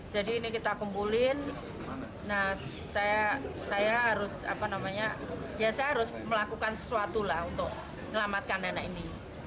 jadi ini kita kumpulin nah saya harus melakukan sesuatu lah untuk melamatkan anak anak ini